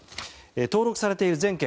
登録されている全件